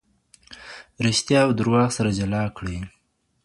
ریښتیا او درواغ سره جلا کړئ.